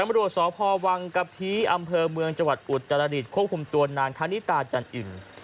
พอพอวังกะพีอำเภอเมืองจวัดอุดจรรยศควบคุมตัวนางธานิตาจันอิ่ม